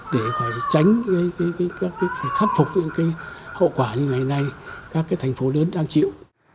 để tránh khắc phục những hậu quả như ngày nay các thành phố lớn đang chịu